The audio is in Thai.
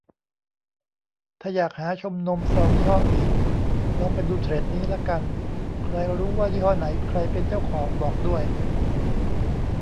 ถ้าอยากหาชมนมซองยี่ห้ออื่น ลองไปดูเทรดนี้ละกัน ใครรู้ว่ายี่ห้อไหนใครเป็นเจ้าของบอกด้วย